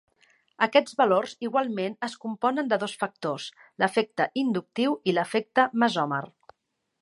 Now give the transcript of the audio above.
Aquests valors igualment es componen de dos factors: l'efecte inductiu i l'efecte mesòmer.